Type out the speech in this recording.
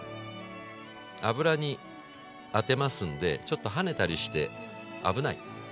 油に当てますんでちょっと跳ねたりして危ない。